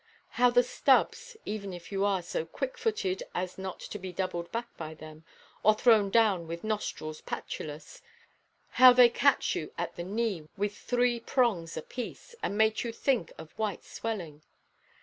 How the stubs, even if you are so quick–footed as not to be doubled back by them, or thrown down with nostrils patulous—how they catch you at the knee with three prongs apiece, and make you think of white swelling!